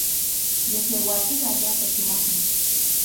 Yachaywasiiqa allaapa shumaqmi.